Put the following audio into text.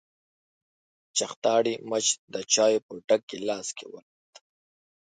چختاړي مچ د چايو په ډک ګيلاس کې ولوېد.